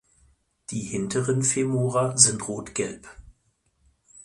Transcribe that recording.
Die hinteren Femora sind rotgelb.